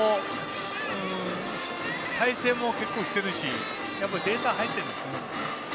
対戦も結構しているしデータ入っているんですね。